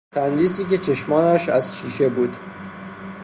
تندیسی که چشمانش از شیشه بود.